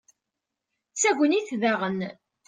d tagnit daɣen